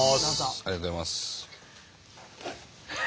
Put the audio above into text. ありがとうございます。